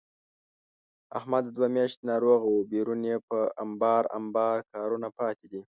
احمد دوه میاشتې ناروغه و، بېرون یې په امبار امبار کارونه پاتې دي.